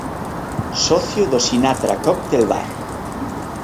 Socio do Sinatra Cóctel Bar.